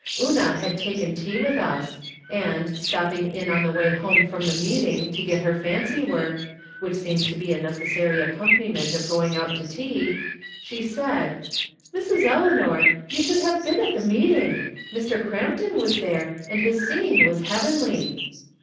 Una had taken tea with us, and, stopping in on the way home from the meeting to get her fancy work, which seems to be a necessary ac companimei^ of going out to tea, she said :" Mrs. Eleanor, you should have been at the meeting, Mr. Crampton was there, and his sing ing was heavenly